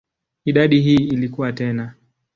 Idadi hii ilikua tena.